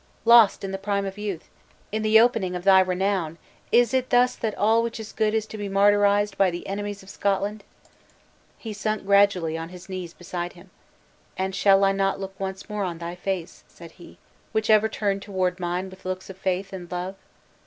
Lost in the prime of youth, in the opening of thy renown, is it thus that all which is good is to be martyrized by the enemies of Scotland?" He sunk gradually on his knees beside him. "And shall I not look once more on that face," said he, "which ever turned toward mine with looks of faith and love?"